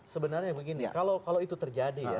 sebenarnya begini kalau itu terjadi ya